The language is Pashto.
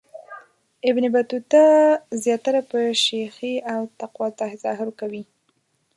ابن بطوطه زیاتره په شیخی او تقوا تظاهر کوي.